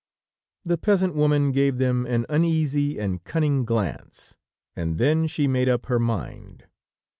The peasant woman gave them an uneasy and cunning glance, and then she made up her mind.